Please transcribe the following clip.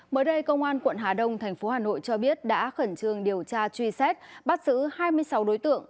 mới đây công an quận hà đông thành phố hà nội cho biết đã khẩn trương điều tra truy xét bắt giữ hai mươi sáu đối tượng